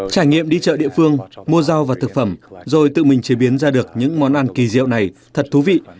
trải nghiệm đi chợ địa phương mua rau và thực phẩm rồi tự mình chế biến ra được những món ăn kỳ diệu này thật thú vị